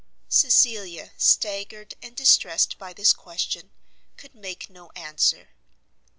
Cecilia, staggered and distressed by this question, could make no answer.